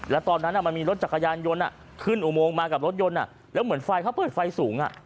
แล้วตอนนั้นมันมีรถจักรยานยนต์ขึ้นอุโมงมากับรถยนต์แล้วเหมือนไฟเขาเปิดไฟสูง